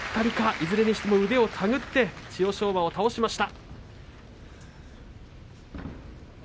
いずれにしても腕を手繰って千代翔馬を倒しました。